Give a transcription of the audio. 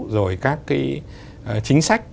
rồi các cái chính sách